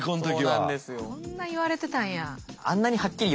こんな言われてたんや。